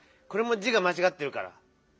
これも字がまちがってるから。